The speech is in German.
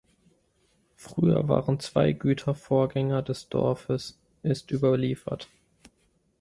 Früher waren zwei Güter Vorgänger des Dorfes, ist überliefert.